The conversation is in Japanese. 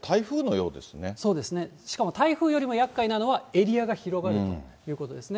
そうですね、しかも台風よりもやっかいなのはエリアが広がるということですね。